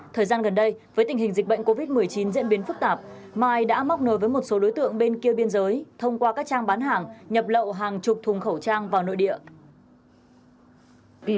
thời gian gần đây với tình hình dịch bệnh covid một mươi chín diễn biến phức tạp mai đã móc nối với một số đối tượng bên kia biên giới thông qua các trang bán hàng nhập lậu hàng chục thùng khẩu trang vào nội địa